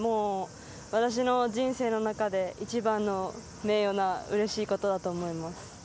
私の人生の中で一番の名誉なうれしいことだと思います。